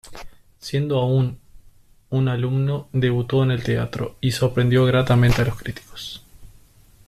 Siendo aún un alumno, debutó en el teatro, y sorprendió gratamente a los críticos.